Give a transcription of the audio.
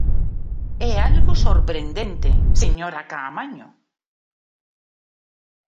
¡É algo sorprendente, señora Caamaño!